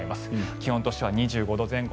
気温としては２５度前後。